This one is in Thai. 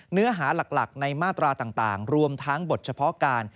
เนื้อหาหลักในมาตราต่างรวมทั้งบทเฉพาะการ